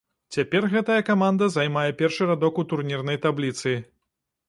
Цяпер гэтая каманда займае першы радок у турнірнай табліцы.